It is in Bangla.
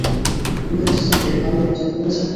ইভেন্ট টিমকে ভালোমতো চেক করেছেন?